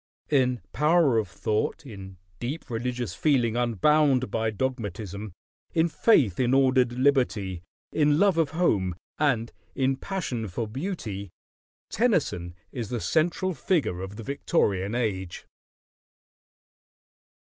In power of thought, in deep religious feeling unbound by dogmatism, in faith in ordered liberty, in love of home, and in passion for beauty, Tennyson is the central figure of the Victorian Age.